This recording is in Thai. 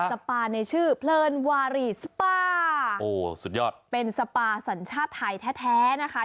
สปาในชื่อเพลินวารีสปาเป็นสปาสัญชาติไทยแท้นะคะ